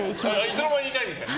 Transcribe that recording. いつの間にいないみたいな？